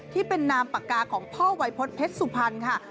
ที่เป็นนามปากกาของพ่อวัยพฤษเพชรสุพรรณค่ะ